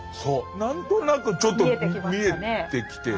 何となくちょっと見えてきて。